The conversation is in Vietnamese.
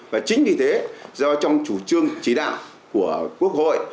và chính vì thế do trong chủ trương chỉ đạo của quốc hội